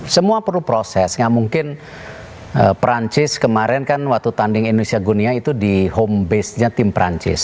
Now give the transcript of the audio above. semua perlu proses nggak mungkin perancis kemarin kan waktu tanding indonesia gunia itu di home base nya tim perancis